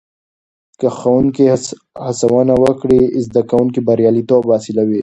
که ښوونکې هڅونه وکړي، زده کوونکي برياليتوب حاصلوي.